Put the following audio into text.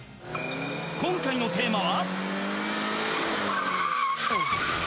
今回のテーマは？